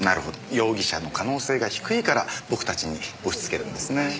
容疑者の可能性が低いから僕たちに押しつけるんですね。